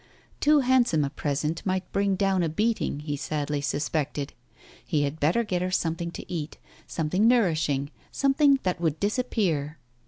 Too handsome a present might bring down a beating, he sadly suspected; he had better get her something to eat, something nourishing, something that would disappear.